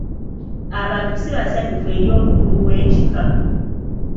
Abantu si basanyufu eri omukulu w'ekika.